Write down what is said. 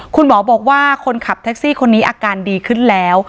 คุณหมอบอกว่าคนขับแท็กซี่คนนี้อาการดีขึ้นแล้ว